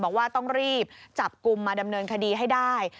บอกว่าต้องรีบจับกลุ่มมาดำเนินคดีให้ได้